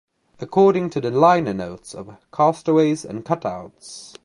According to the liner notes of "Castaways and Cutouts".